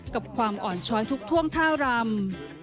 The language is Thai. กับความอ่อนช้อยทุกท่วงท่ารำ